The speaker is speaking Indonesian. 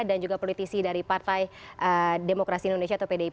dan juga politisi dari partai demokrasi indonesia atau pdip